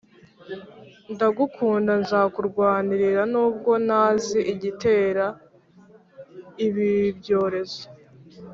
ndagukunda nzakurwanirira nubwo ntazi igitera ibibyorezo